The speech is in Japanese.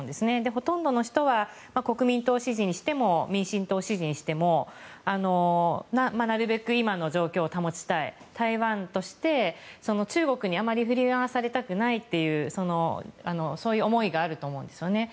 ほとんどの人は国民党支持にしても民進党支持にしてもなるべく今の状況を保ちたい台湾として中国にあまり振り回されたくないというそういう思いがあると思うんですよね。